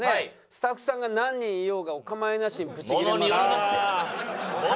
スタッフさんが何人いようがお構いなしにぶちギレますから。